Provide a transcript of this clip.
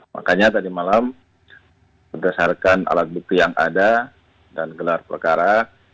makanya tadi malam berdasarkan alat bukti yang ada dan gelar perkara